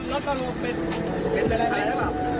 รถกระโลเป็นอะไร